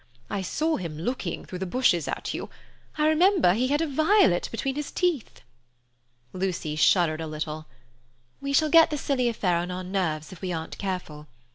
I saw him looking through the bushes at you, remember he had a violet between his teeth." Lucy shuddered a little. "We shall get the silly affair on our nerves if we aren't careful.